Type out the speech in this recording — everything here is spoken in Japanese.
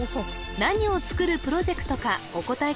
何を作るプロジェクトかお答え